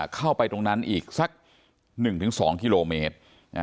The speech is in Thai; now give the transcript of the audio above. เข้าไปตรงนั้นอีกสัก๑๒กิโลเมตร